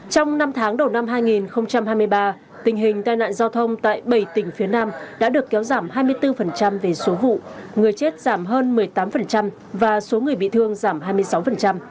trong năm tháng đầu năm hai nghìn hai mươi ba tình hình tai nạn giao thông tại bảy tỉnh phía nam đã được kéo giảm hai mươi bốn về số vụ người chết giảm hơn một mươi tám và số người bị thương giảm hai mươi sáu